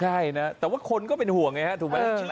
ใช่นะแต่ว่าคนก็เป็นห่วงไงฮะถูกไหม